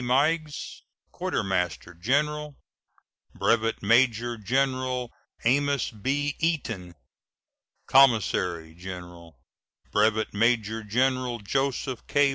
Meigs, Quartermaster General; Brevet Major General Amos B. Eaton, Commissary General; Brevet Major General Joseph K.